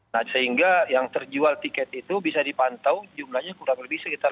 nah sehingga yang terjual tiket itu bisa dipantau jumlahnya kurang lebih sekitar lima belas empat ratus